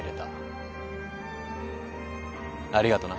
ありがとな。